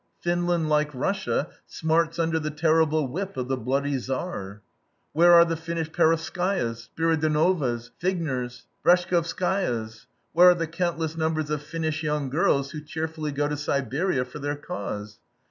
Finland, like Russia, smarts under the terrible whip of the bloody Tsar. Where are the Finnish Perovskaias, Spiridonovas, Figners, Breshkovskaias? Where are the countless numbers of Finnish young girls who cheerfully go to Siberia for their cause?